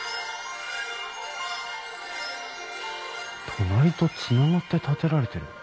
隣とつながって建てられてる。